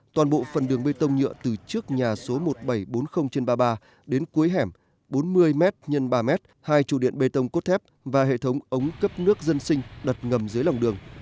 toàn bộ phần đường bê tông nhựa từ trước nhà số một nghìn bảy trăm bốn mươi trên ba mươi ba đến cuối hẻm bốn mươi m x x ba m hai trụ điện bê tông cốt thép và hệ thống ống cấp nước dân sinh đặt ngầm dưới lòng đường